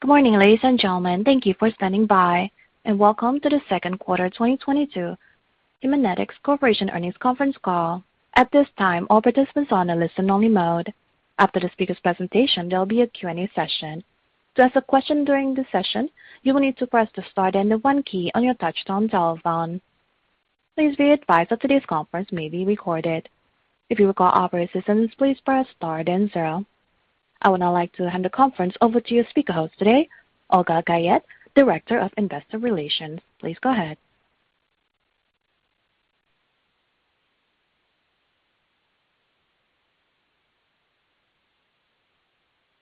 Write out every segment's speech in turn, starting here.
Good morning, ladies and gentlemen. Thank you for standing by, and welcome to the Q2 2022 Haemonetics Corporation Earnings Conference Call. At this time, all participants are on a listen-only mode. After the speaker's presentation, there'll be a Q&A session. To ask a question during the session, you will need to press the star then the one key on your touchtone telephone. Please be advised that today's conference may be recorded. If you require operator assistance, please press star then zero. I would now like to hand the conference over to your speaker host today, Olga Guyette, Director of Investor Relations. Please go ahead.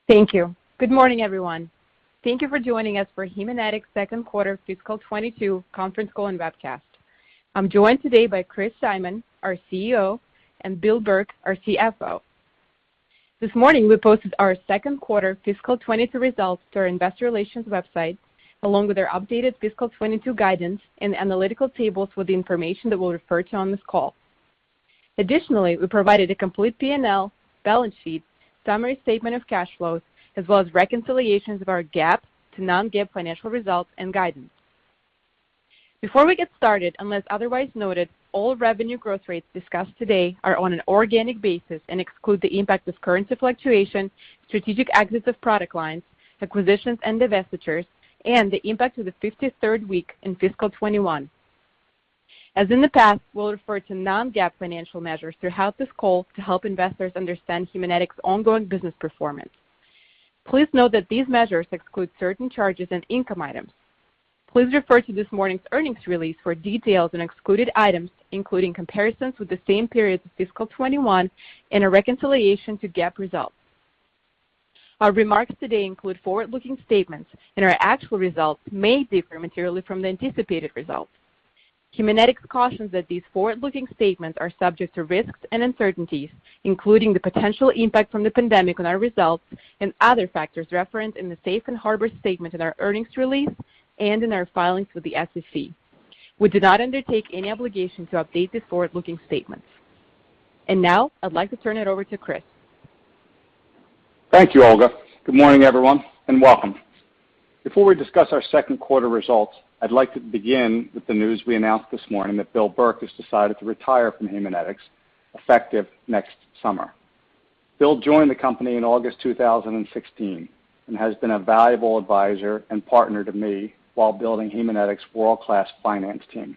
Thank you. Good morning, everyone. Thank you for joining us for Haemonetics' Q2 Fiscal 2022 Conference Call and Webcast. I'm joined today by Chris Simon, our CEO, and Bill Burke, our CFO. This morning, we posted our Q2 fiscal 2022 results to our investor relations website, along with our updated fiscal 2022 guidance and analytical tables with the information that we'll refer to on this call. Additionally, we provided a complete P&L balance sheet, summary statement of cash flows, as well as reconciliations of our GAAP to non-GAAP financial results and guidance. Before we get started, unless otherwise noted, all revenue growth rates discussed today are on an organic basis and exclude the impact of currency fluctuation, strategic exits of product lines, acquisitions, and divestitures, and the impact of the 53rd week in fiscal 2021. As in the past, we'll refer to non-GAAP financial measures throughout this call to help investors understand Haemonetics' ongoing business performance. Please note that these measures exclude certain charges and income items. Please refer to this morning's earnings release for details on excluded items, including comparisons with the same period of fiscal 2021 and a reconciliation to GAAP results. Our remarks today include forward-looking statements, and our actual results may differ materially from the anticipated results. Haemonetics cautions that these forward-looking statements are subject to risks and uncertainties, including the potential impact from the pandemic on our results and other factors referenced in the safe harbor statement in our earnings release and in our filings with the SEC. We do not undertake any obligation to update these forward-looking statements. Now, I'd like to turn it over to Chris. Thank you, Olga. Good morning, everyone, and welcome. Before we discuss our Q2 results, I'd like to begin with the news we announced this morning that Bill Burke has decided to retire from Haemonetics effective next summer. Bill joined the company in August 2016 and has been a valuable advisor and partner to me while building Haemonetics' world-class finance team.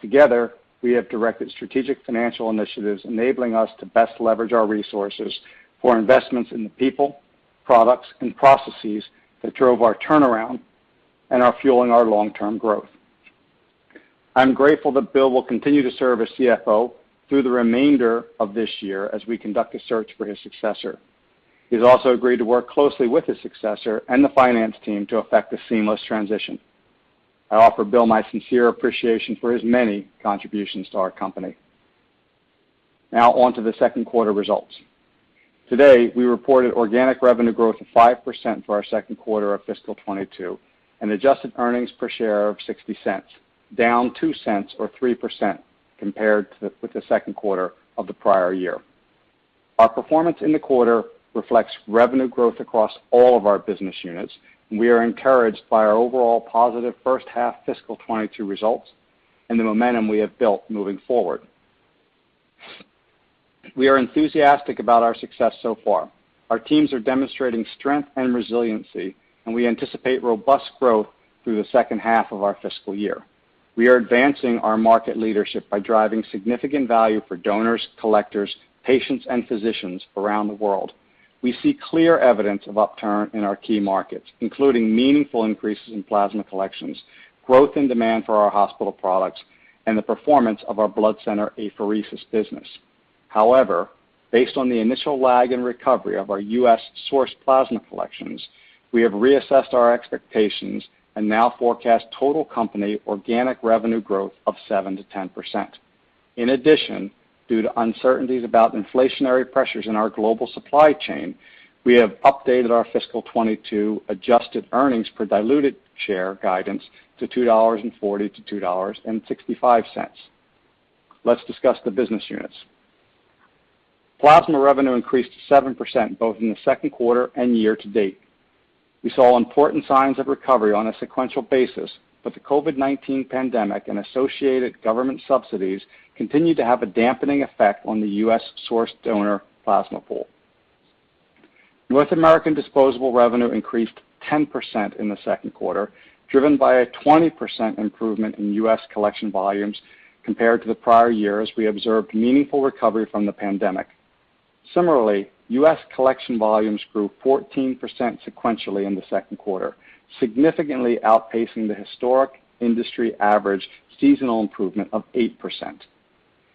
Together, we have directed strategic financial initiatives enabling us to best leverage our resources for investments in the people, products, and processes that drove our turnaround and are fueling our long-term growth. I'm grateful that Bill will continue to serve as CFO through the remainder of this year as we conduct a search for his successor. He's also agreed to work closely with his successor and the finance team to effect a seamless transition. I offer Bill my sincere appreciation for his many contributions to our company. Now on to the Q2 results. Today, we reported organic revenue growth of 5% for our Q2 of fiscal 2022 and adjusted earnings per share of $0.60, down $0.02 or 3% compared with the Q2 of the prior year. Our performance in the quarter reflects revenue growth across all of our business units, and we are encouraged by our overall positive first half fiscal 2022 results and the momentum we have built moving forward. We are enthusiastic about our success so far. Our teams are demonstrating strength and resiliency, and we anticipate robust growth through the second half of our fiscal year. We are advancing our market leadership by driving significant value for donors, collectors, patients, and physicians around the world. We see clear evidence of upturn in our key markets, including meaningful increases in plasma collections, growth and demand for our hospital products, and the performance of our blood center apheresis business. However, based on the initial lag and recovery of our U.S.-sourced plasma collections, we have reassessed our expectations and now forecast total company organic revenue growth of 7%-10%. In addition, due to uncertainties about inflationary pressures in our global supply chain, we have updated our fiscal 2022 adjusted earnings per diluted share guidance to $2.40-$2.65. Let's discuss the business units. Plasma revenue increased 7% both in the Q2 and year to date. We saw important signs of recovery on a sequential basis, but the COVID-19 pandemic and associated government subsidies continued to have a dampening effect on the U.S.-sourced donor plasma pool. North American disposable revenue increased 10% in the Q2, driven by a 20% improvement in U.S. collection volumes compared to the prior year as we observed meaningful recovery from the pandemic. Similarly, U.S. collection volumes grew 14% sequentially in the Q2, significantly outpacing the historic industry average seasonal improvement of 8%.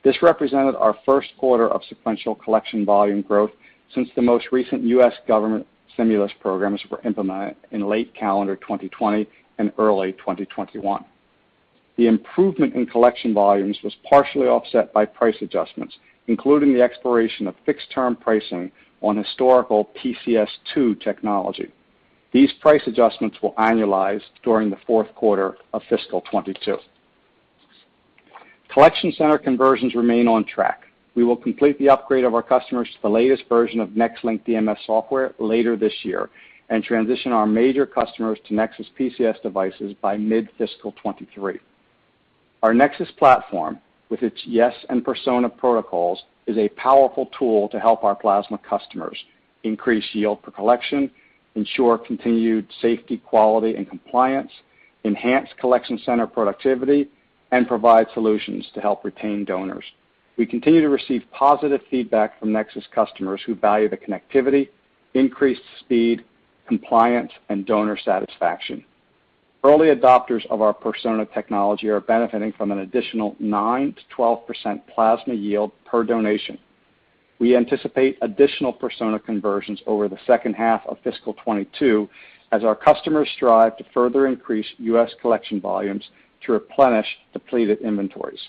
This represented our Q1 of sequential collection volume growth since the most recent U.S. government stimulus programs were implemented in late calendar 2020 and early 2021. The improvement in collection volumes was partially offset by price adjustments, including the expiration of fixed-term pricing on historical PCS2 technology. These price adjustments will annualize during the Q4 of fiscal 2022. Collection center conversions remain on track. We will complete the upgrade of our customers to the latest version of NexLynk DMS software later this year and transition our major customers to NexSys PCS devices by mid-fiscal 2023. Our NexSys platform, with its Yes and Persona protocols, is a powerful tool to help our plasma customers increase yield per collection, ensure continued safety, quality, and compliance, enhance collection center productivity, and provide solutions to help retain donors. We continue to receive positive feedback from NexSys customers who value the connectivity, increased speed, compliance, and donor satisfaction. Early adopters of our Persona technology are benefiting from an additional 9%-12% plasma yield per donation. We anticipate additional Persona conversions over the second half of fiscal 2022 as our customers strive to further increase U.S. collection volumes to replenish depleted inventories.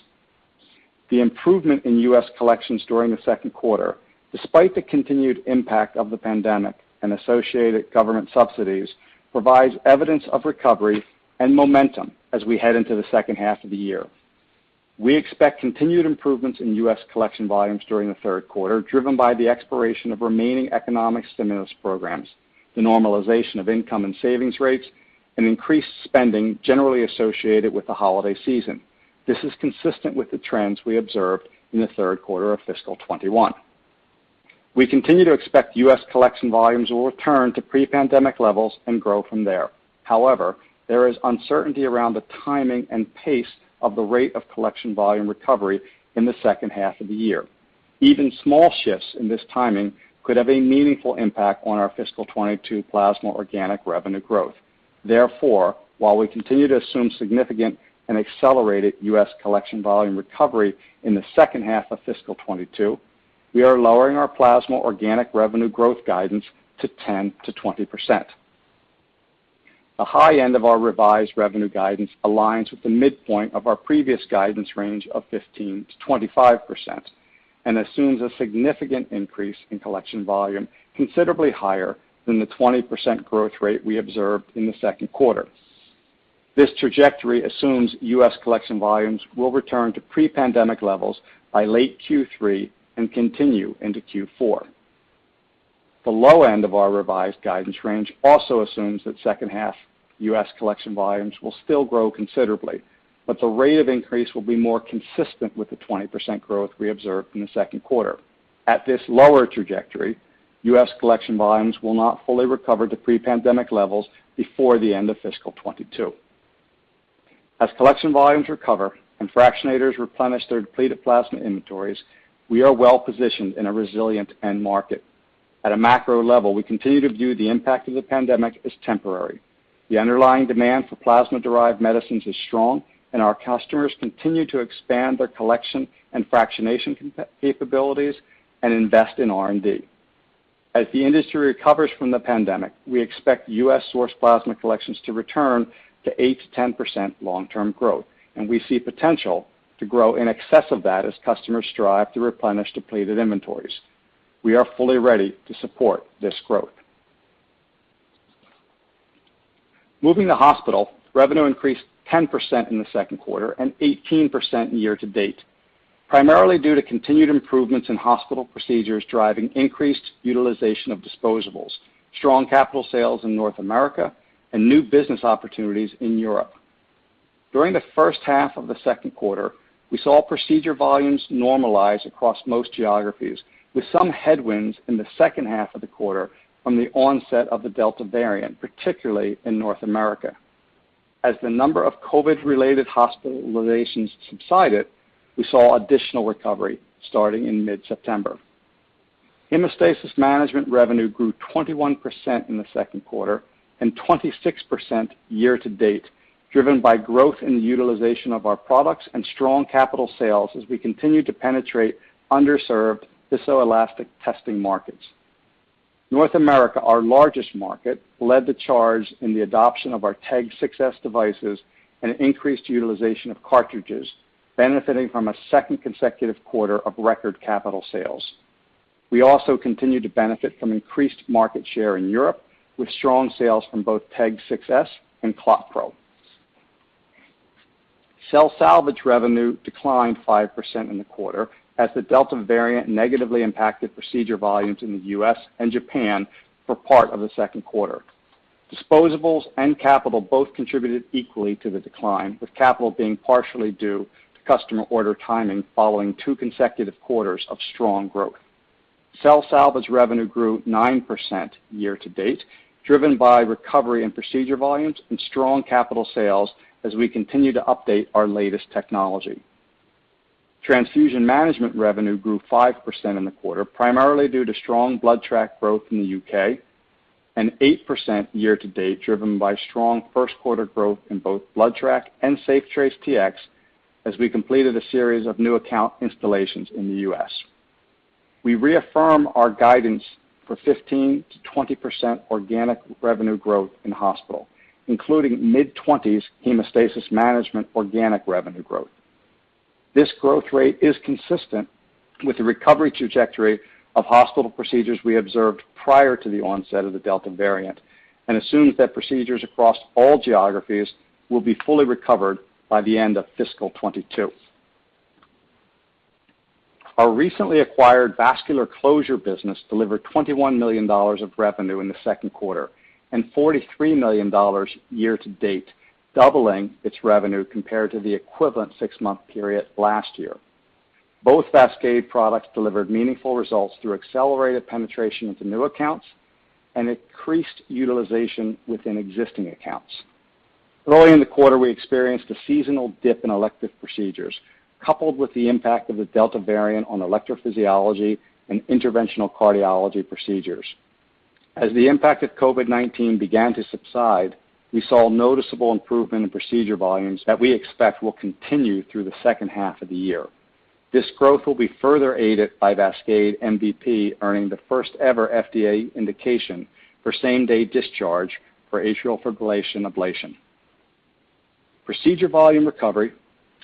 The improvement in U.S. collections during the Q2, despite the continued impact of the pandemic and associated government subsidies, provides evidence of recovery and momentum as we head into the second half of the year. We expect continued improvements in U.S. collection volumes during the Q3, driven by the expiration of remaining economic stimulus programs, the normalization of income and savings rates, and increased spending generally associated with the holiday season. This is consistent with the trends we observed in the Q3 of fiscal 2021. We continue to expect U.S. collection volumes will return to pre-pandemic levels and grow from there. However, there is uncertainty around the timing and pace of the rate of collection volume recovery in the second half of the year. Even small shifts in this timing could have a meaningful impact on our fiscal 2022 plasma organic revenue growth. Therefore, while we continue to assume significant and accelerated U.S. collection volume recovery in the second half of fiscal 2022, we are lowering our plasma organic revenue growth guidance to 10%-20%. The high end of our revised revenue guidance aligns with the midpoint of our previous guidance range of 15%-25% and assumes a significant increase in collection volume considerably higher than the 20% growth rate we observed in the Q2. This trajectory assumes U.S. collection volumes will return to pre-pandemic levels by late Q3 and continue into Q4. The low end of our revised guidance range also assumes that second half U.S. collection volumes will still grow considerably, but the rate of increase will be more consistent with the 20% growth we observed in the Q2. At this lower trajectory, U.S. collection volumes will not fully recover to pre-pandemic levels before the end of fiscal 2022. As collection volumes recover and fractionators replenish their depleted plasma inventories, we are well-positioned in a resilient end market. At a macro level, we continue to view the impact of the pandemic as temporary. The underlying demand for plasma-derived medicines is strong, and our customers continue to expand their collection and fractionation capabilities and invest in R&D. As the industry recovers from the pandemic, we expect U.S.-sourced plasma collections to return to 8%-10% long-term growth, and we see potential to grow in excess of that as customers strive to replenish depleted inventories. We are fully ready to support this growth. Moving to Hospital, revenue increased 10% in the Q2 and 18% year to date, primarily due to continued improvements in hospital procedures driving increased utilization of disposables, strong capital sales in North America, and new business opportunities in Europe. During the first half of the Q2, we saw procedure volumes normalize across most geographies, with some headwinds in the second half of the quarter from the onset of the Delta variant, particularly in North America. As the number of COVID-19-related hospitalizations subsided, we saw additional recovery starting in mid-September. Hemostasis Management revenue grew 21% in the Q2 and 26% year to date, driven by growth in the utilization of our products and strong capital sales as we continue to penetrate underserved viscoelastic testing markets. North America, our largest market, led the charge in the adoption of our TEG 6s devices and increased utilization of cartridges, benefiting from a second consecutive quarter of record capital sales. We also continue to benefit from increased market share in Europe, with strong sales from both TEG 6s and ClotPro. Cell salvage revenue declined 5% in the quarter as the Delta variant negatively impacted procedure volumes in the U.S. and Japan for part of the Q2. Disposables and capital both contributed equally to the decline, with capital being partially due to customer order timing following two consecutive quarters of strong growth. Cell salvage revenue grew 9% year to date, driven by recovery in procedure volumes and strong capital sales as we continue to update our latest technology. Transfusion Management revenue grew 5% in the quarter, primarily due to strong BloodTrack growth in the U.K., and 8% year to date, driven by strong Q1 growth in both BloodTrack and SafeTrace Tx as we completed a series of new account installations in the U.S. We reaffirm our guidance for 15%-20% organic revenue growth in hospital, including mid-20s hemostasis management organic revenue growth. This growth rate is consistent with the recovery trajectory of hospital procedures we observed prior to the onset of the Delta variant, and assumes that procedures across all geographies will be fully recovered by the end of fiscal 2022. Our recently acquired vascular closure business delivered $21 million of revenue in the Q2 and $43 million year to date, doubling its revenue compared to the equivalent six-month period last year. Both VASCADE products delivered meaningful results through accelerated penetration into new accounts and increased utilization within existing accounts. Early in the quarter, we experienced a seasonal dip in elective procedures, coupled with the impact of the Delta variant on electrophysiology and interventional cardiology procedures. As the impact of COVID-19 began to subside, we saw noticeable improvement in procedure volumes that we expect will continue through the second half of the year. This growth will be further aided by VASCADE MVP earning the first ever FDA indication for same-day discharge for atrial fibrillation ablation. Procedure volume recovery,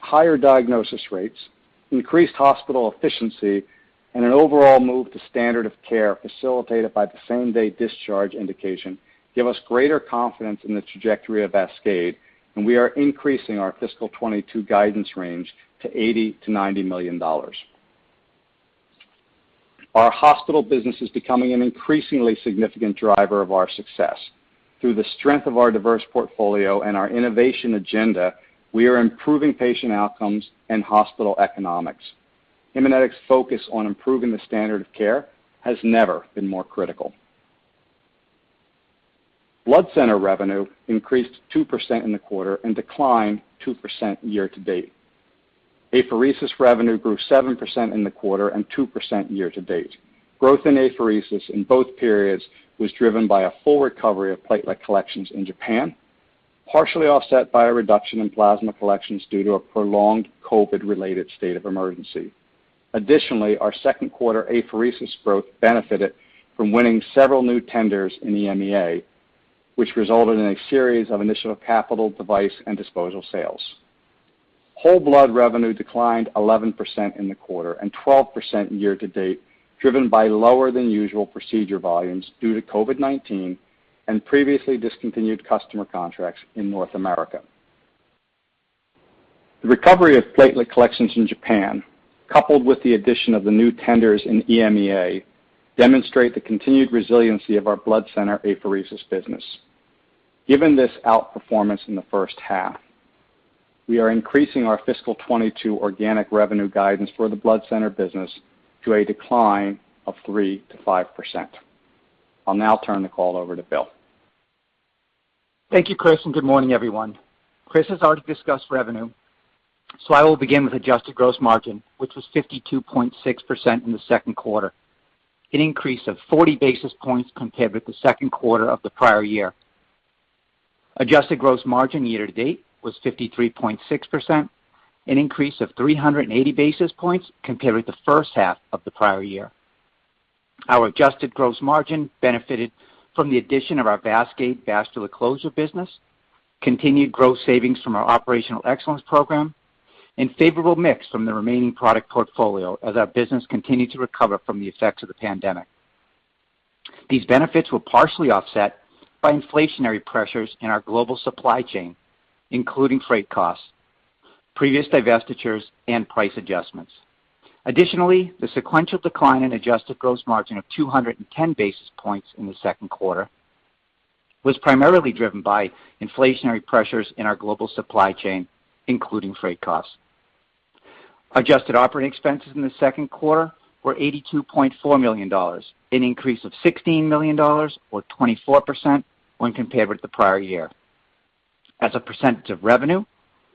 higher diagnosis rates, increased hospital efficiency, and an overall move to standard of care facilitated by the same day discharge indication give us greater confidence in the trajectory of VASCADE, and we are increasing our FY 2022 guidance range to $80 million-$90 million. Our hospital business is becoming an increasingly significant driver of our success. Through the strength of our diverse portfolio and our innovation agenda, we are improving patient outcomes and hospital economics. Haemonetics' focus on improving the standard of care has never been more critical. Blood center revenue increased 2% in the quarter and declined 2% year to date. Apheresis revenue grew 7% in the quarter and 2% year to date. Growth in apheresis in both periods was driven by a full recovery of platelet collections in Japan, partially offset by a reduction in plasma collections due to a prolonged COVID-related state of emergency. Additionally, our Q2 apheresis growth benefited from winning several new tenders in EMEA, which resulted in a series of initial capital device and disposal sales. Whole blood revenue declined 11% in the quarter and 12% year to date, driven by lower than usual procedure volumes due to COVID-19 and previously discontinued customer contracts in North America. The recovery of platelet collections in Japan, coupled with the addition of the new tenders in EMEA, demonstrate the continued resiliency of our blood center apheresis business. Given this outperformance in the first half, we are increasing our fiscal 2022 organic revenue guidance for the blood center business to a decline of 3%-5%. I'll now turn the call over to Bill. Thank you, Chris, and good morning, everyone. Chris has already discussed revenue, so I will begin with adjusted gross margin, which was 52.6% in the Q2, an increase of 40 basis points compared with the Q2 of the prior year. Adjusted gross margin year to date was 53.6%, an increase of 380 basis points compared with the first half of the prior year. Our adjusted gross margin benefited from the addition of our VASCADE vascular closure business, continued gross savings from our Operational Excellence Program, and favorable mix from the remaining product portfolio as our business continued to recover from the effects of the pandemic. These benefits were partially offset by inflationary pressures in our global supply chain, including freight costs, previous divestitures, and price adjustments. Additionally, the sequential decline in adjusted gross margin of 210 basis points in the Q2 was primarily driven by inflationary pressures in our global supply chain, including freight costs. Adjusted operating expenses in the Q2 were $82.4 million, an increase of $16 million or 24% when compared with the prior year. As a percentage of revenue,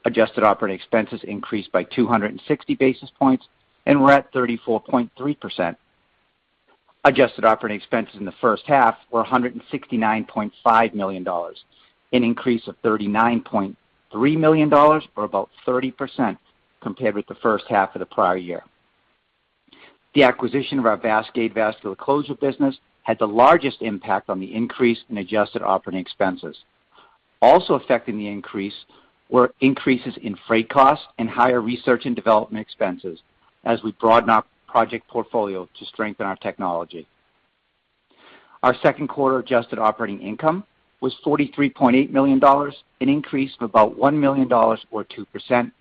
adjusted operating expenses increased by 260 basis points and were at 34.3%. Adjusted operating expenses in the first half were $169.5 million, an increase of $39.3 million or about 30% compared with the first half of the prior year. The acquisition of our VASCADE vascular closure business had the largest impact on the increase in adjusted operating expenses. Also affecting the increase were increases in freight costs and higher research and development expenses as we broaden our project portfolio to strengthen our technology. Our Q2 adjusted operating income was $43.8 million, an increase of about $1 million or 2%.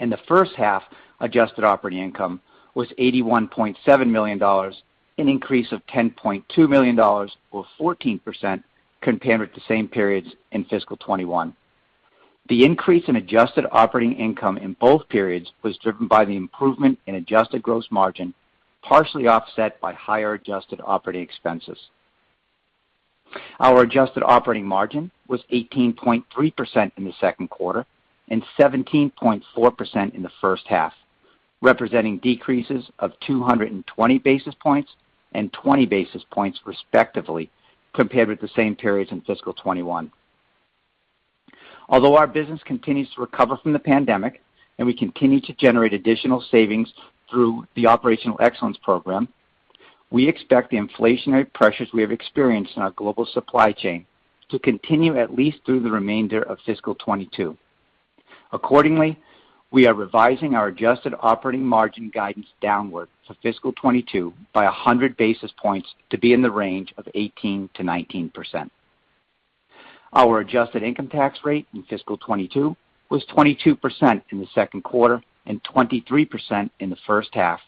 The first half adjusted operating income was $81.7 million, an increase of $10.2 million or 14% compared with the same periods in fiscal 2021. The increase in adjusted operating income in both periods was driven by the improvement in adjusted gross margin, partially offset by higher adjusted operating expenses. Our adjusted operating margin was 18.3% in the Q2 and 17.4% in the first half, representing decreases of 220 basis points and 20 basis points respectively, compared with the same periods in fiscal 2021. Although our business continues to recover from the pandemic and we continue to generate additional savings through the Operational Excellence Program. We expect the inflationary pressures we have experienced in our global supply chain to continue at least through the remainder of fiscal 2022. Accordingly, we are revising our adjusted operating margin guidance downward for fiscal 2022 by 100 basis points to be in the range of 18%-19%. Our adjusted income tax rate in fiscal 2022 was 22% in the Q2 and 23% in the first half,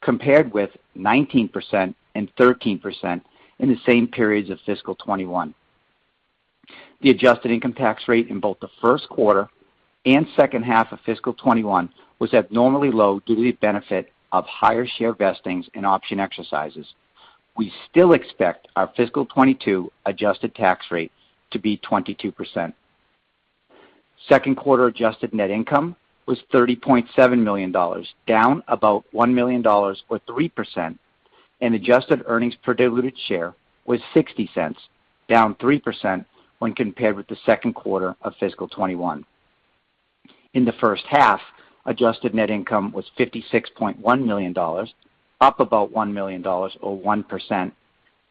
compared with 19% and 13% in the same periods of fiscal 2021. The adjusted income tax rate in both the Q1 and second half of fiscal 2021 was abnormally low due to the benefit of higher share vestings and option exercises. We still expect our fiscal 2022 adjusted tax rate to be 22%. Q2 adjusted net income was $30.7 million, down about $1 million or 3%, and adjusted earnings per diluted share was $0.60, down 3% when compared with the Q2 of fiscal 2021. In the first half, adjusted net income was $56.1 million, up about $1 million or 1%,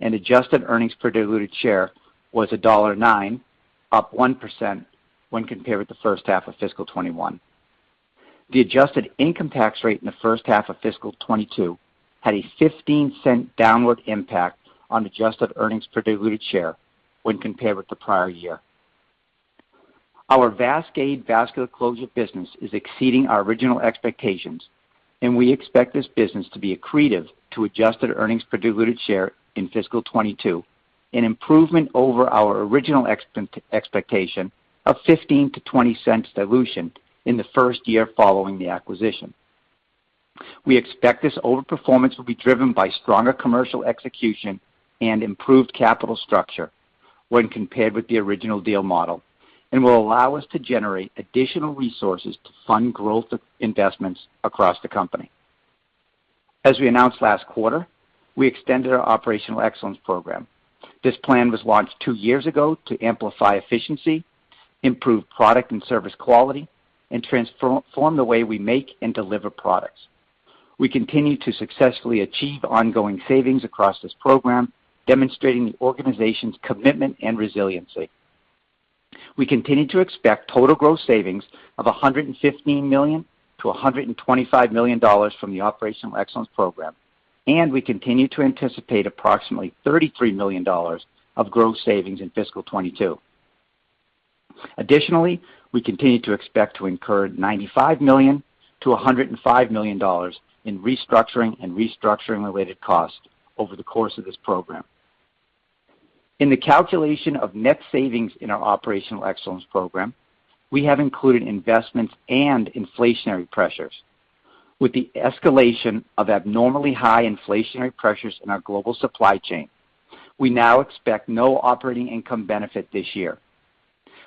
and adjusted earnings per diluted share was $1.09, up 1% when compared with the first half of fiscal 2021. The adjusted income tax rate in the first half of fiscal 2022 had a $0.15 downward impact on adjusted earnings per diluted share when compared with the prior year. Our VASCADE vascular closure business is exceeding our original expectations, and we expect this business to be accretive to adjusted earnings per diluted share in fiscal 2022, an improvement over our original expectation of $0.15-$0.20 dilution in the first year following the acquisition. We expect this overperformance will be driven by stronger commercial execution and improved capital structure when compared with the original deal model and will allow us to generate additional resources to fund growth investments across the company. As we announced last quarter, we extended our Operational Excellence Program. This plan was launched two years ago to amplify efficiency, improve product and service quality, and transform the way we make and deliver products. We continue to successfully achieve ongoing savings across this program, demonstrating the organization's commitment and resiliency. We continue to expect total gross savings of $115 million-$125 million from the Operational Excellence Program, and we continue to anticipate approximately $33 million of gross savings in FY 2022. Additionally, we continue to expect to incur $95 million-$105 million in restructuring and restructuring-related costs over the course of this program. In the calculation of net savings in our Operational Excellence Program, we have included investments and inflationary pressures. With the escalation of abnormally high inflationary pressures in our global supply chain, we now expect no operating income benefit this year.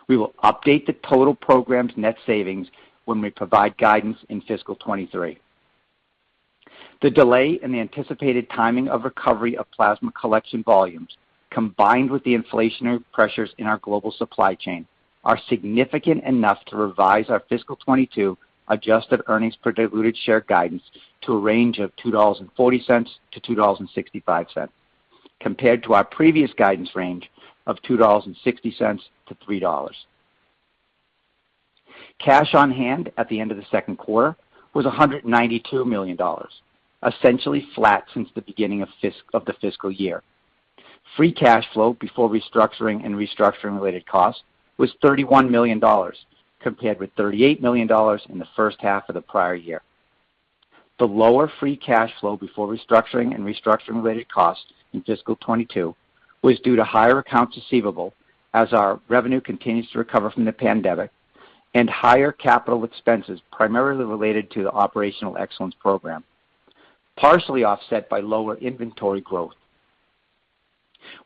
We will update the total program's net savings when we provide guidance in fiscal 2023. The delay in the anticipated timing of recovery of plasma collection volumes, combined with the inflationary pressures in our global supply chain, are significant enough to revise our fiscal 2022 adjusted earnings per diluted share guidance to a range of $2.40-$2.65, compared to our previous guidance range of $2.60-$3.00. Cash on hand at the end of the Q2 was $192 million, essentially flat since the beginning of the fiscal year. Free cash flow before restructuring and restructuring-related costs was $31 million, compared with $38 million in the first half of the prior year. The lower free cash flow before restructuring and restructuring-related costs in FY 2022 was due to higher accounts receivable, as our revenue continues to recover from the pandemic, and higher capital expenses primarily related to the Operational Excellence Program, partially offset by lower inventory growth.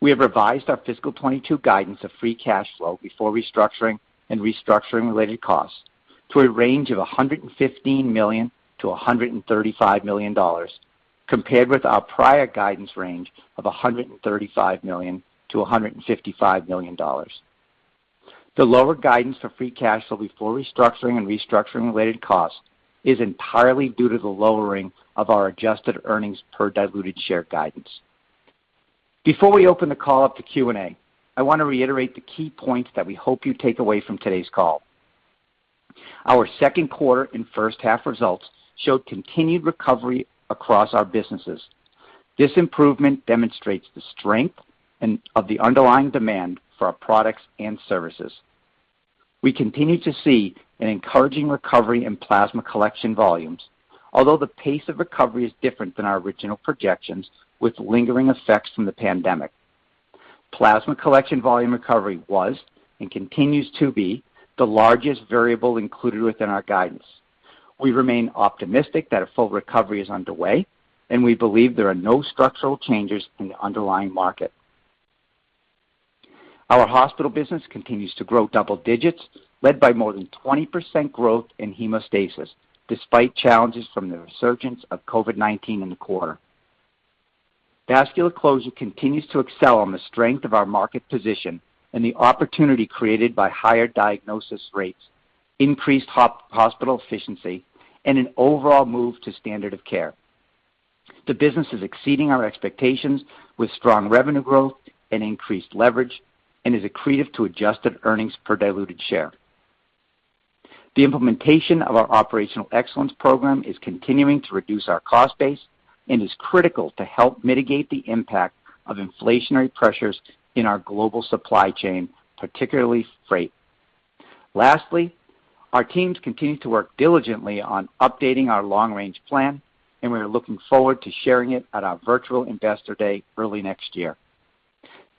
We have revised our FY 2022 guidance of free cash flow before restructuring and restructuring-related costs to a range of $115 million-$135 million, compared with our prior guidance range of $135 million-$155 million. The lower guidance for free cash flow before restructuring and restructuring-related costs is entirely due to the lowering of our adjusted earnings per diluted share guidance. Before we open the call up to Q&A, I want to reiterate the key points that we hope you take away from today's call. Our Q2 and first half results show continued recovery across our businesses. This improvement demonstrates the strength of the underlying demand for our products and services. We continue to see an encouraging recovery in plasma collection volumes, although the pace of recovery is different than our original projections with lingering effects from the pandemic. Plasma collection volume recovery was and continues to be the largest variable included within our guidance. We remain optimistic that a full recovery is underway, and we believe there are no structural changes in the underlying market. Our hospital business continues to grow double digits, led by more than 20% growth in hemostasis despite challenges from the resurgence of COVID-19 in the quarter. Vascular closure continues to excel on the strength of our market position and the opportunity created by higher diagnosis rates. Increased hospital efficiency and an overall move to standard of care. The business is exceeding our expectations with strong revenue growth and increased leverage and is accretive to adjusted earnings per diluted share. The implementation of our Operational Excellence Program is continuing to reduce our cost base and is critical to help mitigate the impact of inflationary pressures in our global supply chain, particularly freight. Lastly, our teams continue to work diligently on updating our long-range plan, and we are looking forward to sharing it at our virtual Investor Day early next year.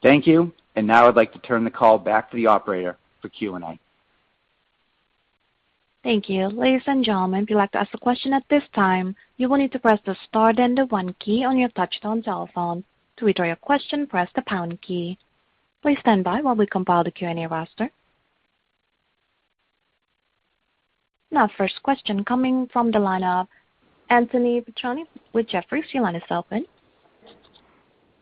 Thank you. Now I'd like to turn the call back to the operator for Q&A. Thank you. Ladies and gentlemen, if you'd like to ask a question at this time, you will need to press the star then the one key on your touchtone telephone. To withdraw your question, press the pound key. Please stand by while we compile the Q&A roster. Now first question coming from the line of Anthony Petrone with Jefferies. Your line is open.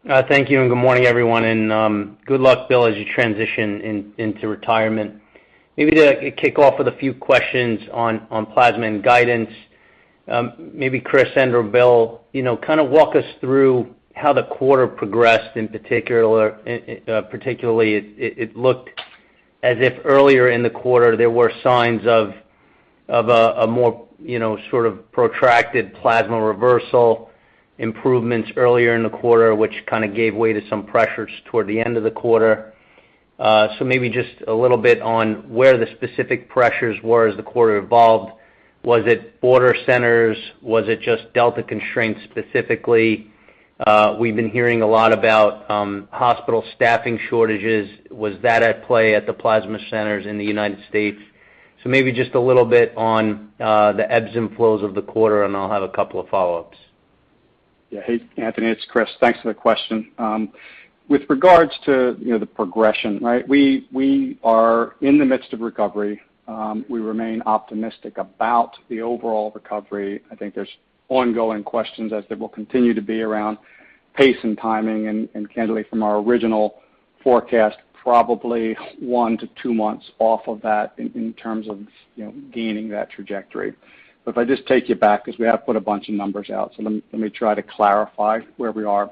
Thank you, and good morning, everyone. Good luck, Bill, as you transition into retirement. Maybe to kick off with a few questions on plasma and guidance, maybe Chris and/or Bill, you know, kind of walk us through how the quarter progressed, in particular, particularly it looked as if earlier in the quarter, there were signs of a more, you know, sort of protracted plasma reversal improvements earlier in the quarter, which kind of gave way to some pressures toward the end of the quarter. Maybe just a little bit on where the specific pressures were as the quarter evolved. Was it border centers? Was it just Delta constraints specifically? We've been hearing a lot about hospital staffing shortages. Was that at play at the plasma centers in the United States? Maybe just a little bit on the ebbs and flows of the quarter, and I'll have a couple of follow-ups. Yeah. Hey, Anthony, it's Chris. Thanks for the question. With regards to, you know, the progression, right? We are in the midst of recovery. We remain optimistic about the overall recovery. I think there's ongoing questions as there will continue to be around pace and timing and candidly from our original forecast, probably 1-2 months off of that in terms of, you know, gaining that trajectory. If I just take you back, because we have put a bunch of numbers out, so let me try to clarify where we are.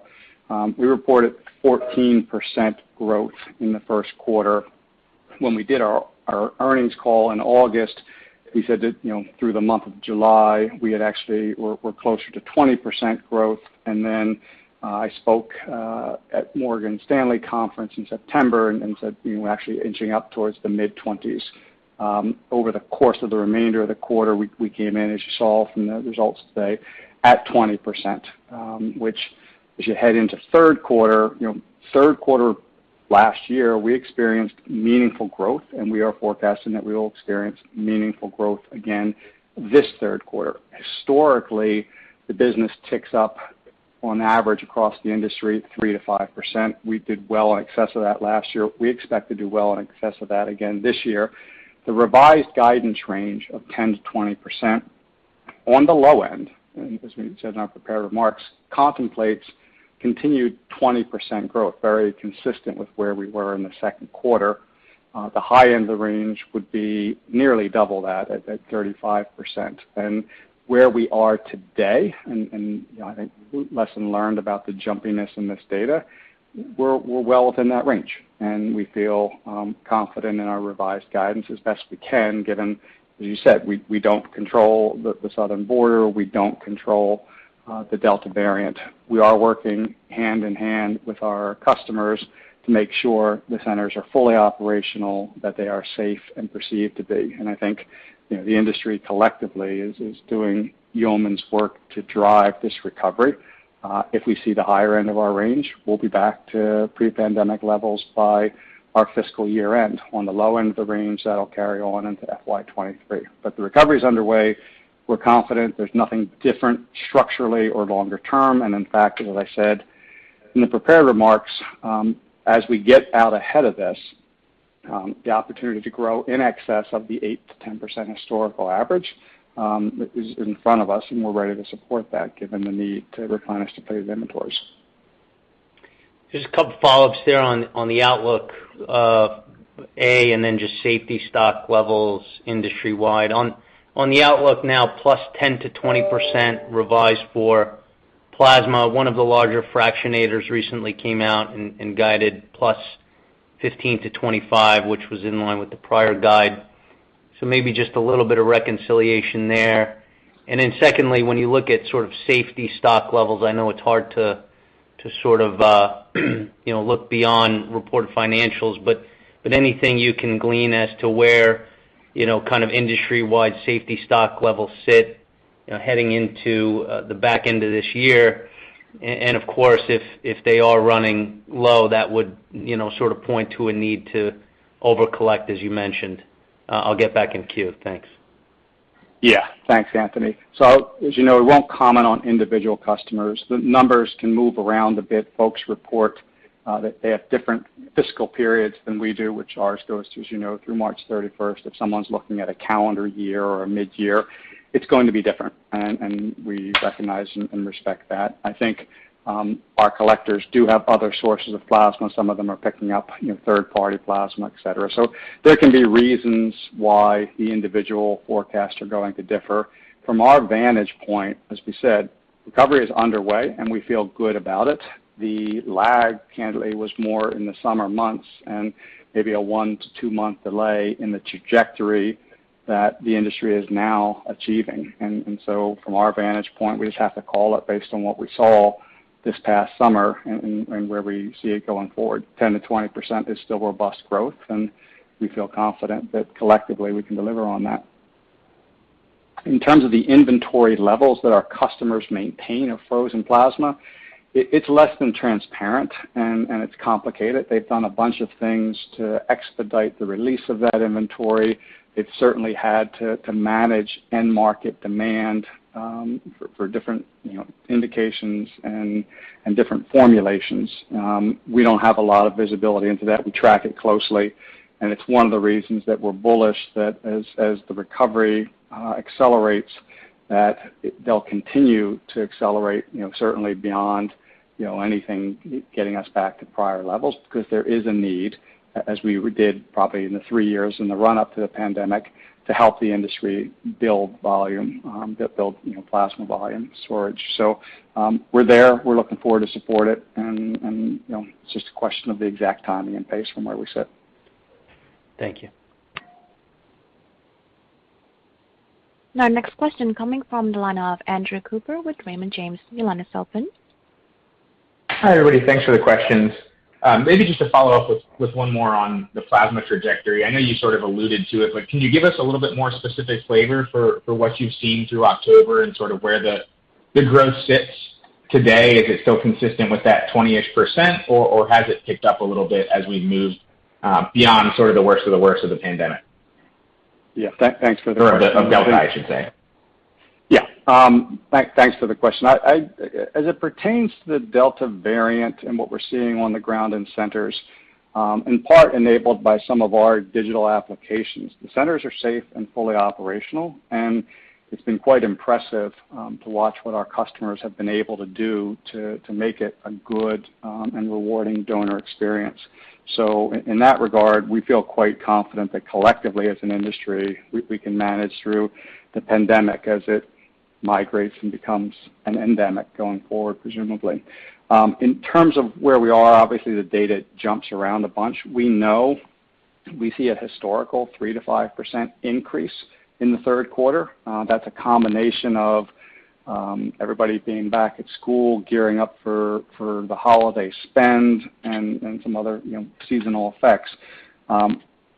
We reported 14% growth in the Q1. When we did our earnings call in August, we said that, you know, through the month of July, we're closer to 20% growth. I spoke at Morgan Stanley conference in September and said we were actually inching up towards the mid-20s. Over the course of the remainder of the quarter, we came in, as you saw from the results today, at 20%, which, as you head into Q3, you know, Q3 last year, we experienced meaningful growth, and we are forecasting that we will experience meaningful growth again this Q3. Historically, the business ticks up on average across the industry 3%-5%. We did well in excess of that last year. We expect to do well in excess of that again this year. The revised guidance range of 10%-20% on the low end, as we said in our prepared remarks, contemplates continued 20% growth, very consistent with where we were in the Q2. The high end of the range would be nearly double that, at 35%. Where we are today, you know, I think lesson learned about the jumpiness in this data, we're well within that range, and we feel confident in our revised guidance as best we can, given, as you said, we don't control the southern border, we don't control the Delta variant. We are working hand in hand with our customers to make sure the centers are fully operational, that they are safe and perceived to be. I think, you know, the industry collectively is doing yeoman's work to drive this recovery. If we see the higher end of our range, we'll be back to pre-pandemic levels by our fiscal year-end. On the low end of the range, that'll carry on into FY 2023. The recovery is underway. We're confident there's nothing different structurally or longer term. In fact, as I said in the prepared remarks, as we get out ahead of this, the opportunity to grow in excess of the 8%-10% historical average is in front of us, and we're ready to support that given the need to replenish depleted inventories. Just a couple follow-ups there on the outlook, and then just safety stock levels industry-wide. On the outlook now, +10%-20% revised for plasma. One of the larger fractionators recently came out and guided +15%-25%, which was in line with the prior guide. So maybe just a little bit of reconciliation there. Then secondly, when you look at sort of safety stock levels, I know it's hard to sort of, you know, look beyond reported financials, but anything you can glean as to where, you know, kind of industry-wide safety stock levels sit, you know, heading into the back end of this year. And of course, if they are running low, that would, you know, sort of point to a need to overcollect, as you mentioned. I'll get back in queue. Thanks. Yeah. Thanks, Anthony. As you know, we won't comment on individual customers. The numbers can move around a bit. Folks report that they have different fiscal periods than we do, which ours goes, as you know, through March 31st. If someone's looking at a calendar year or a midyear, it's going to be different, and we recognize and respect that. I think our collectors do have other sources of plasma. Some of them are picking up, you know, third-party plasma, et cetera. There can be reasons why the individual forecasts are going to differ. From our vantage point, as we said, recovery is underway, and we feel good about it. The lag candidly was more in the summer months and maybe a 1-2-month delay in the trajectory that the industry is now achieving. From our vantage point, we just have to call it based on what we saw this past summer and where we see it going forward. 10%-20% is still robust growth, and we feel confident that collectively we can deliver on that. In terms of the inventory levels that our customers maintain of frozen plasma, it's less than transparent and it's complicated. They've done a bunch of things to expedite the release of that inventory. It certainly had to manage end market demand for different, you know, indications and different formulations. We don't have a lot of visibility into that. We track it closely, and it's one of the reasons that we're bullish that as the recovery accelerates, that they'll continue to accelerate, you know, certainly beyond anything getting us back to prior levels because there is a need, as we did probably in the three years in the run-up to the pandemic, to help the industry build volume, you know, plasma volume storage. We're there. We're looking forward to support it and you know, it's just a question of the exact timing and pace from where we sit. Thank you. Now next question coming from the line of Andrew Cooper with Raymond James. Your line is open. Hi, everybody. Thanks for the questions. Maybe just to follow up with one more on the plasma trajectory. I know you sort of alluded to it, but can you give us a little bit more specific flavor for what you've seen through October and sort of where the growth sits today? Is it still consistent with that 20-ish %, or has it picked up a little bit as we move beyond sort of the worst of the worst of the pandemic? Yeah. Thanks for the question. Of Delta, I should say. Thanks for the question. As it pertains to the Delta variant and what we're seeing on the ground in centers, in part enabled by some of our digital applications, the centers are safe and fully operational, and it's been quite impressive to watch what our customers have been able to do to make it a good and rewarding donor experience. In that regard, we feel quite confident that collectively as an industry, we can manage through the pandemic as it migrates and becomes an endemic going forward, presumably. In terms of where we are, obviously, the data jumps around a bunch. We know we see a historical 3%-5% increase in the Q3. That's a combination of everybody being back at school, gearing up for the holiday spend and some other, you know, seasonal effects.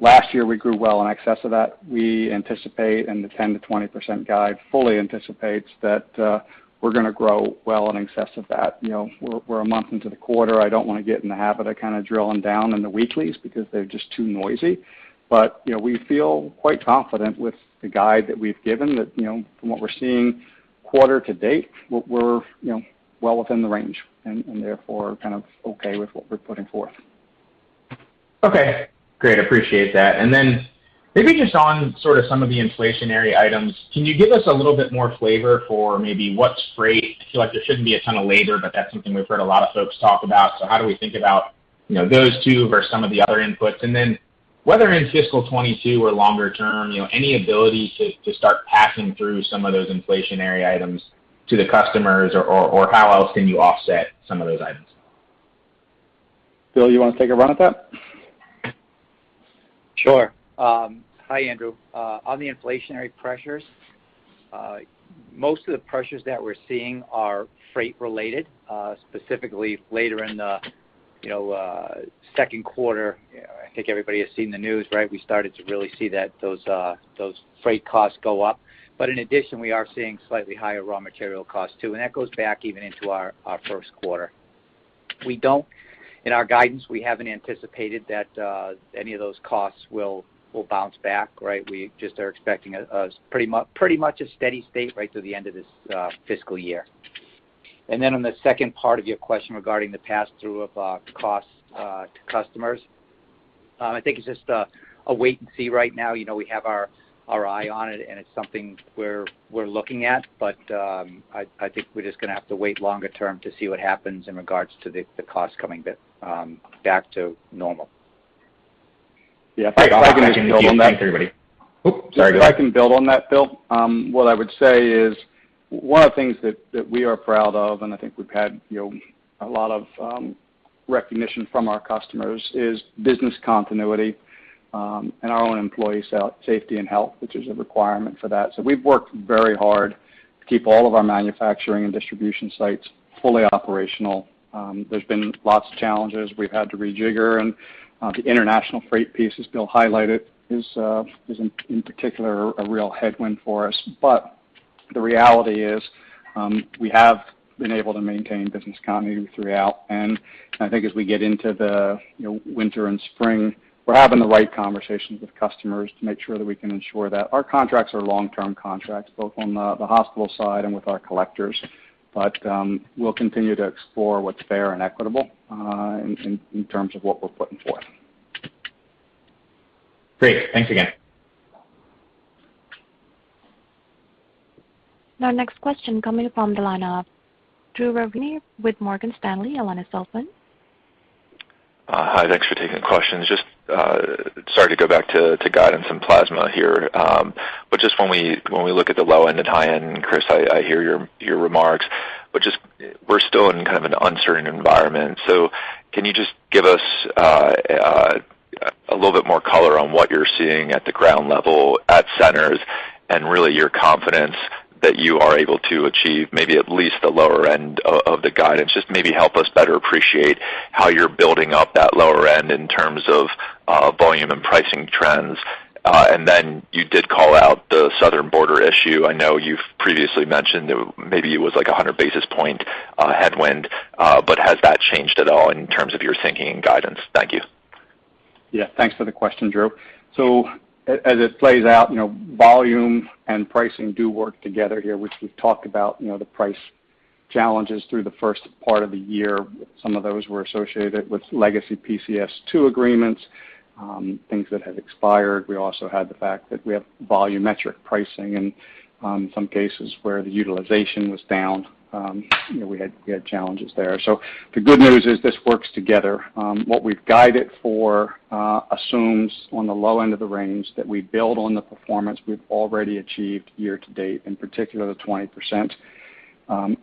Last year, we grew well in excess of that. We anticipate, and the 10%-20% guide fully anticipates that, we're gonna grow well in excess of that. You know, we're a month into the quarter. I don't wanna get in the habit of kind of drilling down in the weeklies because they're just too noisy. You know, we feel quite confident with the guide that we've given that, you know, from what we're seeing quarter to date, we're you know well within the range and therefore kind of okay with what we're putting forth. Okay. Great. Appreciate that. Then maybe just on sort of some of the inflationary items, can you give us a little bit more flavor for maybe what's freight? I feel like there shouldn't be a ton of labor, but that's something we've heard a lot of folks talk about. How do we think about, you know, those two versus some of the other inputs? Then whether in fiscal 2022 or longer term, you know, any ability to to start passing through some of those inflationary items to the customers or how else can you offset some of those items? Bill, you wanna take a run at that? Sure. Hi, Andrew. On the inflationary pressures, most of the pressures that we're seeing are freight related, specifically later in the, you know, Q2. I think everybody has seen the news, right? We started to really see that those freight costs go up. But in addition, we are seeing slightly higher raw material costs too, and that goes back even into our Q1. In our guidance, we haven't anticipated that any of those costs will bounce back, right? We just are expecting a pretty much a steady state right through the end of this fiscal year. Then on the second part of your question regarding the pass-through of cost to customers, I think it's just a wait and see right now. You know, we have our eye on it, and it's something we're looking at. I think we're just gonna have to wait longer term to see what happens in regards to the cost coming back to normal. Yeah. If I can just build on that. Thanks, everybody. Oops, sorry, go ahead. If I can build on that, Bill, what I would say is one of the things that we are proud of, and I think we've had, you know, a lot of recognition from our customers, is business continuity, and our own employee safety and health, which is a requirement for that. We've worked very hard to keep all of our manufacturing and distribution sites fully operational. There's been lots of challenges. We've had to rejigger, and the international freight piece, as Bill highlighted, is in particular a real headwind for us. The reality is, we have been able to maintain business continuity throughout. I think as we get into the, you know, winter and spring, we're having the right conversations with customers to make sure that we can ensure that. Our contracts are long-term contracts, both on the hospital side and with our collectors. We'll continue to explore what's fair and equitable, in terms of what we're putting forth. Great. Thanks again. Now next question coming from the line of Drew Ranieri with Morgan Stanley. Your line is open. Hi, thanks for taking the questions. Just sorry to go back to guidance in plasma here. Just when we look at the low end and high end, Chris, I hear your remarks, but just we're still in kind of an uncertain environment. Can you just give us a little bit more color on what you're seeing at the ground level at centers and really your confidence that you are able to achieve maybe at least the lower end of the guidance? Just maybe help us better appreciate how you're building up that lower end in terms of volume and pricing trends. Then you did call out the southern border issue. I know you've previously mentioned that maybe it was like 100 basis points headwind, but has that changed at all in terms of your thinking and guidance? Thank you. Yeah, thanks for the question, Drew. As it plays out, you know, volume and pricing do work together here, which we've talked about, you know, the price challenges through the first part of the year. Some of those were associated with legacy PCS2 agreements, things that had expired. We also had the fact that we have volumetric pricing and, some cases where the utilization was down. You know, we had challenges there. The good news is this works together. What we've guided for assumes on the low end of the range that we build on the performance we've already achieved year to date, in particular the 20%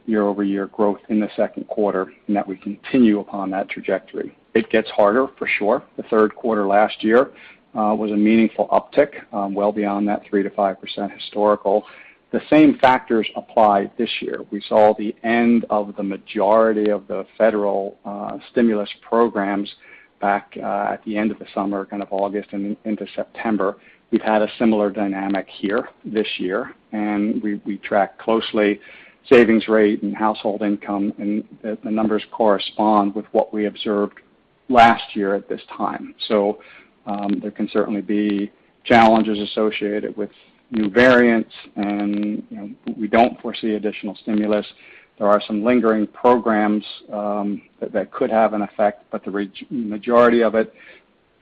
year-over-year growth in the Q2, and that we continue upon that trajectory. It gets harder for sure. The Q3 last year was a meaningful uptick well beyond that 3%-5% historical. The same factors apply this year. We saw the end of the majority of the federal stimulus programs back at the end of the summer, kind of August and into September. We've had a similar dynamic here this year, and we track closely savings rate and household income, and the numbers correspond with what we observed last year at this time. There can certainly be challenges associated with new variants and, you know, we don't foresee additional stimulus. There are some lingering programs that could have an effect, but the majority of it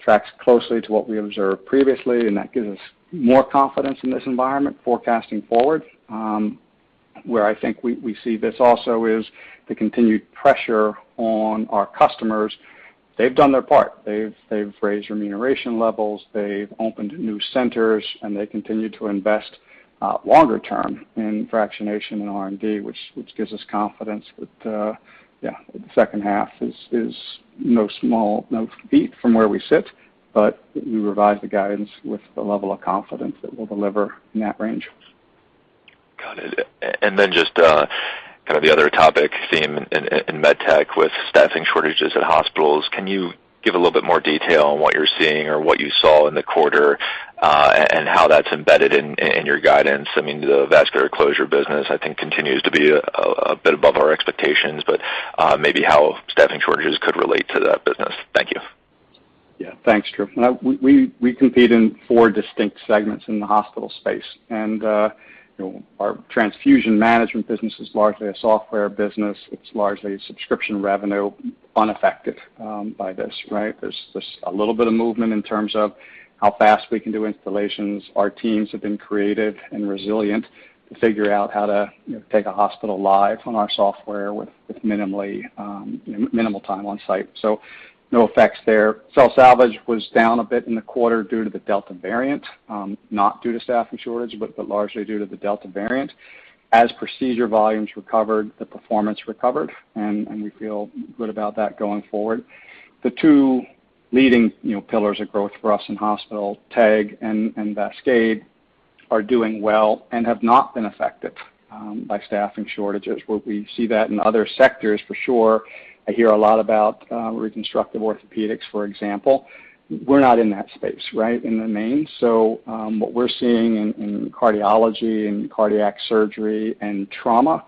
tracks closely to what we observed previously, and that gives us more confidence in this environment forecasting forward. Where I think we see this also is the continued pressure on our customers. They've done their part. They've raised remuneration levels, they've opened new centers, and they continue to invest longer term in fractionation and R&D, which gives us confidence that the second half is no small feat from where we sit, but we revised the guidance with the level of confidence that we'll deliver in that range. Got it. And then just kind of the other topic theme in med tech with staffing shortages at hospitals, can you give a little bit more detail on what you're seeing or what you saw in the quarter and how that's embedded in your guidance? I mean, the vascular closure business, I think continues to be a bit above our expectations, but maybe how staffing shortages could relate to that business. Thank you. Yeah, thanks, Drew. Now we compete in four distinct segments in the hospital space. You know, our transfusion management business is largely a software business. It's largely subscription revenue unaffected by this, right? There's a little bit of movement in terms of how fast we can do installations. Our teams have been creative and resilient to figure out how to, you know, take a hospital live on our software with minimal time on site. So no effects there. Cell salvage was down a bit in the quarter due to the Delta variant, not due to staffing shortage, but largely due to the Delta variant. As procedure volumes recovered, the performance recovered, and we feel good about that going forward. The two leading, you know, pillars of growth for us in hospital, TEG and VASCADE are doing well and have not been affected by staffing shortages, where we see that in other sectors for sure. I hear a lot about reconstructive orthopedics, for example. We're not in that space, right, in the main. What we're seeing in cardiology and cardiac surgery and trauma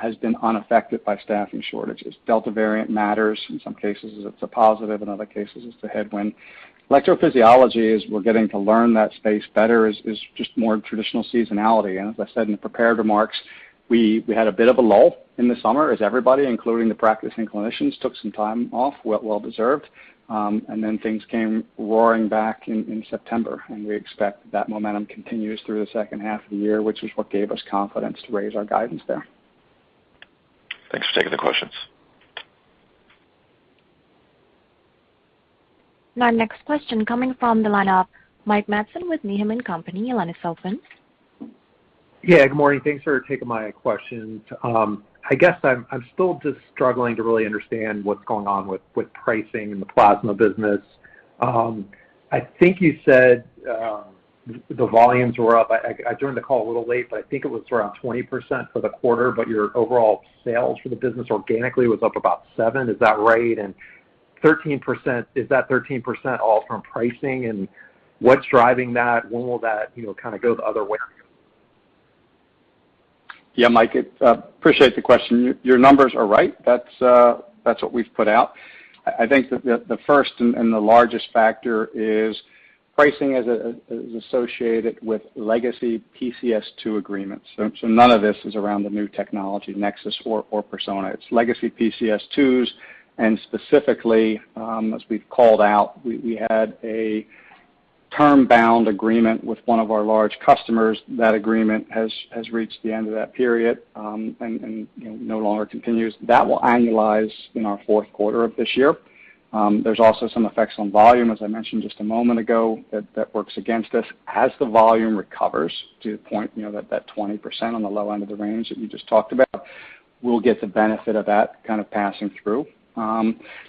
has been unaffected by staffing shortages. Delta variant matters in some cases, it's a positive, in other cases it's a headwind. Electrophysiology, as we're getting to learn that space better is just more traditional seasonality. As I said in the prepared remarks, we had a bit of a lull in the summer as everybody, including the practicing clinicians, took some time off, well deserved. Things came roaring back in September, and we expect that momentum continues through the second half of the year, which is what gave us confidence to raise our guidance there. Thanks for taking the questions. Now next question coming from the line of Mike Matson with Needham & Company. Your line is open. Yeah, good morning. Thanks for taking my questions. I guess I'm still just struggling to really understand what's going on with pricing in the plasma business. I think you said the volumes were up. I joined the call a little late, but I think it was around 20% for the quarter, but your overall sales for the business organically was up about 7%. Is that right? 13%, is that 13% all from pricing? What's driving that? When will that, you know, kind of go the other way? Yeah, Mike, appreciate the question. Your numbers are right. That's what we've put out. I think that the first and the largest factor is pricing as associated with legacy PCS2 agreements. None of this is around the new technology NexSys or Persona. It's legacy PCS2s, and specifically, as we've called out, we had a term-bound agreement with one of our large customers. That agreement has reached the end of that period, and you know, no longer continues. That will annualize in our Q4 of this year. There's also some effects on volume, as I mentioned just a moment ago, that works against us. As the volume recovers to the point, you know, that 20% on the low end of the range that you just talked about, we'll get the benefit of that kind of passing through.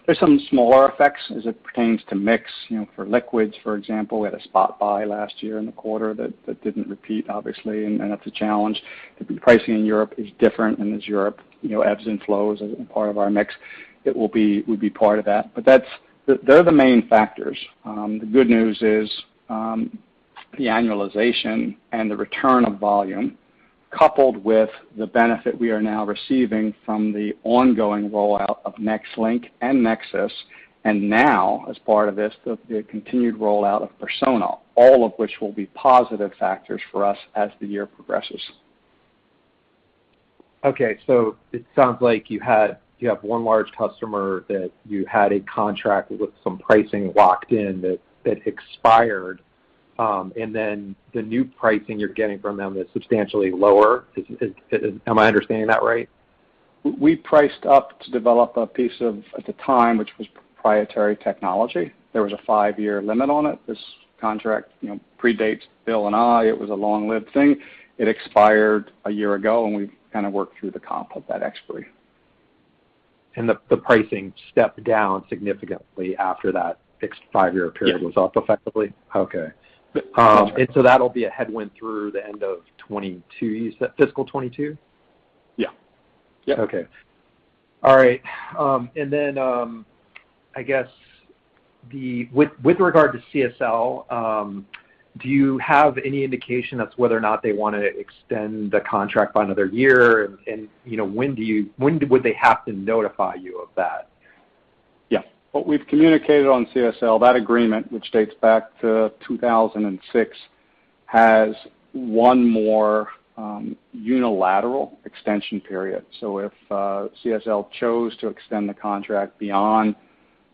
There's some smaller effects as it pertains to mix. You know, for liquids, for example, we had a spot buy last year in the quarter that didn't repeat, obviously, and that's a challenge. The pricing in Europe is different, and as Europe, you know, ebbs and flows as part of our mix, it will be part of that. That's they're the main factors. The good news is, the annualization and the return of volume coupled with the benefit we are now receiving from the ongoing rollout of NexLynk and NexSys, and now, as part of this, the continued rollout of Persona, all of which will be positive factors for us as the year progresses. It sounds like you have one large customer that you had a contract with some pricing locked in that expired, and then the new pricing you're getting from them is substantially lower. Am I understanding that right? We priced up to develop a piece of, at the time, which was proprietary technology. There was a five-year limit on it. This contract, you know, predates Bill and I. It was a long-lived thing. It expired a year ago, and we've kinda worked through the comp of that expiry. The pricing stepped down significantly after that fixed five-year period. Yeah. Was up effectively? Okay. That'll be a headwind through the end of 2022. You said fiscal 2022? Yeah. Yeah. Okay. All right. I guess with regard to CSL, do you have any indication as to whether or not they wanna extend the contract by another year? You know, when would they have to notify you of that? Yeah. What we've communicated on CSL, that agreement, which dates back to 2006, has one more unilateral extension period. If CSL chose to extend the contract beyond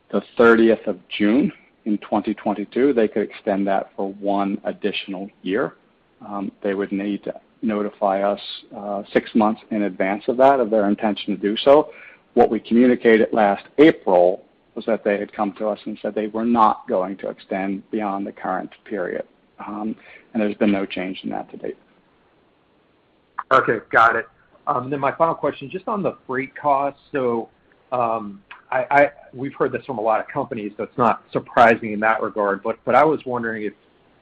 the 30th of June in 2022, they could extend that for one additional year. They would need to notify us six months in advance of that, of their intention to do so. What we communicated last April was that they had come to us and said they were not going to extend beyond the current period. There's been no change in that to date. Okay. Got it. My final question, just on the freight costs. We've heard this from a lot of companies, so it's not surprising in that regard. I was wondering if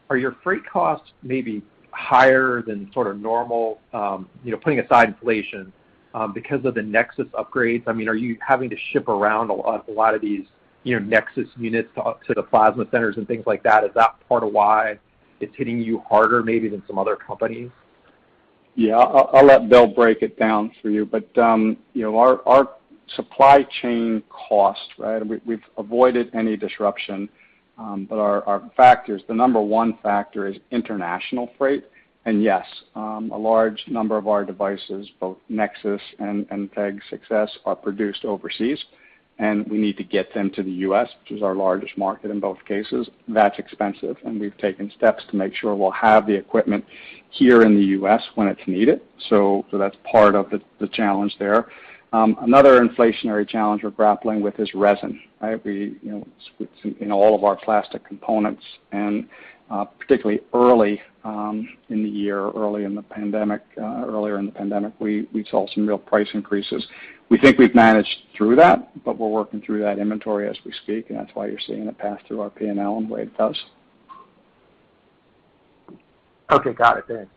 your freight costs are maybe higher than sort of normal, you know, putting aside inflation, because of the NexSys upgrades? I mean, are you having to ship around a lot of these, you know, NexSys units to the plasma centers and things like that? Is that part of why it's hitting you harder maybe than some other companies? Yeah. I'll let Bill break it down for you. You know, our supply chain cost, right, we've avoided any disruption. Our factors, the number one factor is international freight. Yes, a large number of our devices, both NexSys and TEG 6s are produced overseas, and we need to get them to the U.S., which is our largest market in both cases. That's expensive, and we've taken steps to make sure we'll have the equipment here in the U.S. when it's needed. That's part of the challenge there. Another inflationary challenge we're grappling with is resin, right? You know, it's all of our plastic components, and particularly earlier in the pandemic, we saw some real price increases. We think we've managed through that, but we're working through that inventory as we speak, and that's why you're seeing it pass through our P&L the way it does. Okay. Got it. Thanks.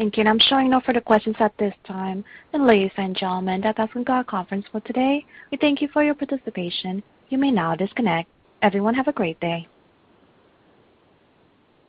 Thank you. I'm showing no further questions at this time. Ladies and gentlemen, that does end our conference for today. We thank you for your participation. You may now disconnect. Everyone, have a great day.